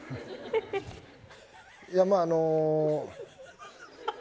いやまあ、あの。